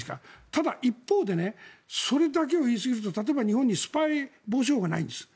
ただ、一方でそれだけを言うと例えば日本にスパイ防止法がないんです。